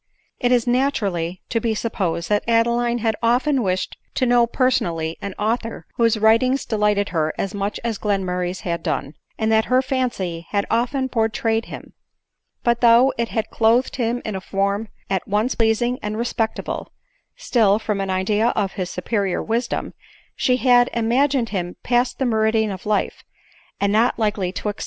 It is naturally to be supposed that Adeline had often wished to know personally an author whose writings de lighted her as much as Glenmurray's had done, and that her fancy had often portrayed him ; but though it had clothed him in a form at once pleasing and respectable — still, from an idea of his superior wisdom, she had ima gined him past the meridian of life, and not likely to ex 3* 26 ADELINE MOWBRAY.